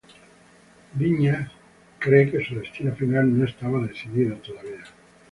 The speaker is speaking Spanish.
Viñas cree que su destino final no estaba decidido todavía.